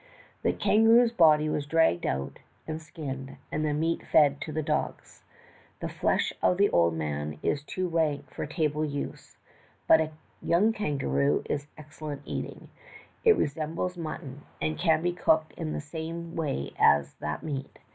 "The kangaroo's body was dragged out and skinned, and the meat fed to the dogs. The flesh of the 'old man' is too rank for table use, but a young kangaroo is excellent eating; it resembles mutton, and can be cooked in the same way as that meat.